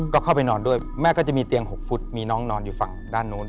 ก็เข้าไปนอนด้วยแม่ก็จะมีเตียง๖ฟุตมีน้องนอนอยู่ฝั่งด้านนู้น